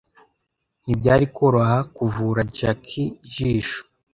ntibyari koroha kuvura Jackie ijisho